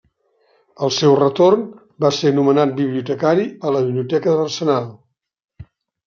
Al seu retorn va ser nomenat bibliotecari a la Biblioteca de l'Arsenal.